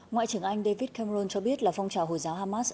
ngoại trưởng anh david camron cho biết là phong trào hồi giáo hamas